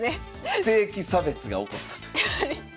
ステーキ差別が起こったという。